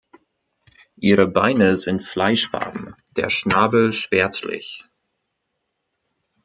Ihre Beine sind fleischfarben; der Schnabel schwärzlich.